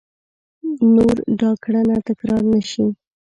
نور دا کړنه تکرار نه شي !